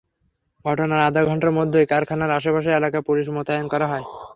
ঘটনার আধা ঘণ্টার মধ্যেই কারখানার আশপাশের এলাকায় পুলিশ মোতায়েন করা হয়।